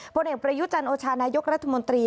ผลเอกประยุจันโอชานายกรัฐมนตรี